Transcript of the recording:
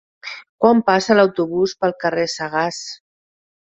Quan passa l'autobús pel carrer Sagàs?